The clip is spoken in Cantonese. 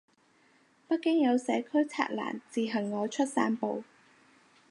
北京有社區拆欄自行外出散步